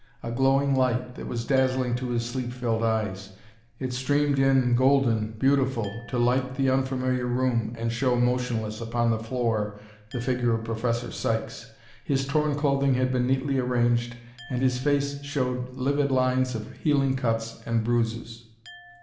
A glowing light that was dazzling to his sleep filled eyes, it streamed in golden beautiful to light the unfamiliar room and show motionless upon the floor the figure of Professor Sykes. His torn clothing had been neatly arranged, and his face showed livid lines of healing cuts and bruises.